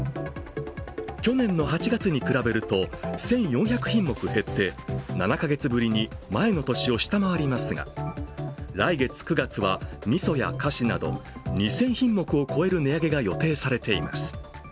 去年の８月に比べると１４００品目減って７か月ぶりに前の年を下回りますが、来月９月はみそや菓子など２０００品目を超える値上げが予定されています。